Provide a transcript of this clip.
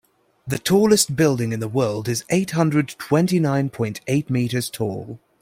The tallest building in the world is eight hundred twenty nine point eight meters tall.